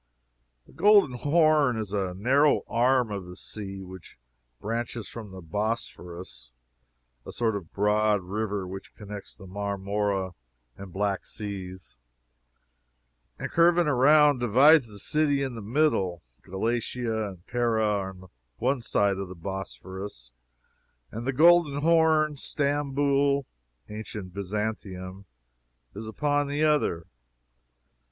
The Golden Horn is a narrow arm of the sea, which branches from the Bosporus (a sort of broad river which connects the Marmora and Black Seas,) and, curving around, divides the city in the middle. Galata and Pera are on one side of the Bosporus, and the Golden Horn; Stamboul (ancient Byzantium) is upon the other.